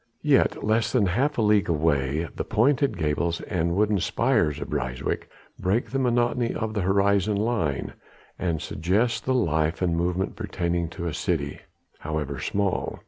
Yet less than half a league away the pointed gables and wooden spires of Ryswyk break the monotony of the horizon line and suggest the life and movement pertaining to a city, however small.